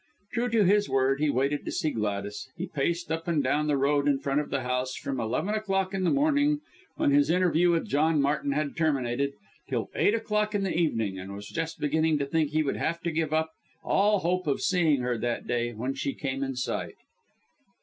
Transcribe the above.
True to his word, he waited to see Gladys. He paced up and down the road in front of the house from eleven o'clock in the morning, when his interview with John Martin had terminated, till eight o'clock in the evening, and was just beginning to think he would have to give up all hope of seeing her that day, when she came in sight.